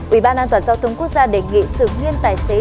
ubnd quốc gia đề nghị sự nguyên tài xế